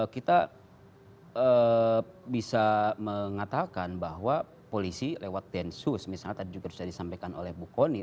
kita bisa mengatakan bahwa polisi lewat densus misalnya tadi juga sudah disampaikan oleh bu kony